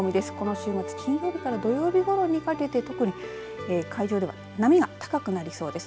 週末金曜日から土曜日ごろにかけて特に海上では波が高くなりそうです。